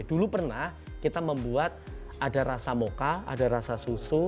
dulu pernah kita membuat ada rasa moka ada rasa susu